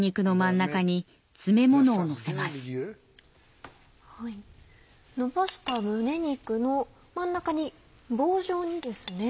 のばした胸肉の真ん中に棒状にですね